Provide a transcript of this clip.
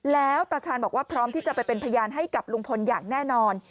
แล้วตาชาญบอกว่าพร้อมที่จะไปเป็นพยานให้กับลุงพลอย่างแน่นอน